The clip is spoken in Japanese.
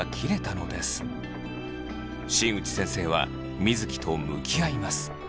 新内先生は水城と向き合います。